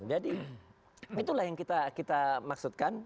jadi itulah yang kita maksudkan